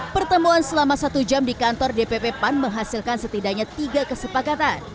pertemuan selama satu jam di kantor dpp pan menghasilkan setidaknya tiga kesepakatan